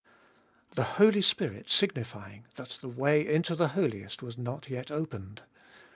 The Holy Spirit signifying that the way into the Holiest was not yet opened.